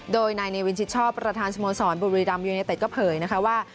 โดยนายนายวินชิดชอบประธานสมสรรค์บุรีรำยูเนเต็ดก็เผยว่า